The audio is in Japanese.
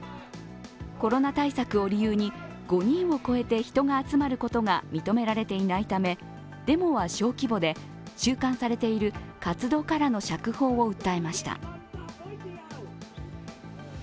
コロナ対策を理由に５人を超えて人を集まることが認められていないためデモは小規模で、収監されている活動家らの釈放を訴えました。